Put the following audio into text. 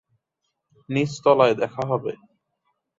নিচতলায় দেখা হবে।